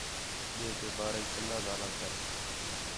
ٻئے تے باریک چنڳا ڳاہلا کر